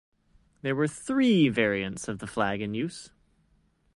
There were three variants of the flag in use.